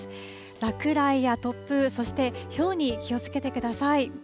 落雷や突風、そしてひょうに気をつけてください。